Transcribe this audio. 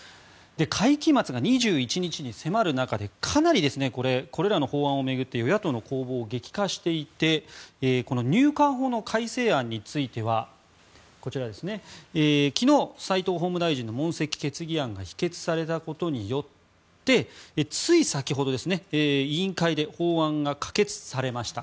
会期末が２１日に迫る中でかなり、これらの法案を巡って与野党の攻防、激化していてこの入管法の改正案についてはこちら、昨日齋藤法務大臣の問責決議案が否決されたことによってつい先ほど委員会で法案が可決されました。